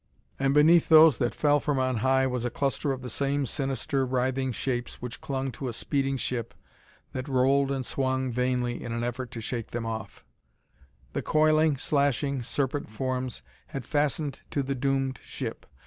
And beneath those that fell from on high was a cluster of the same sinister, writhing shapes which clung to a speeding ship that rolled and swung vainly in an effort to shake them off. The coiling, slashing serpent forms had fastened to the doomed ship.